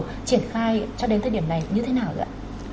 triển khai cho đến thời điểm này như thế nào ạ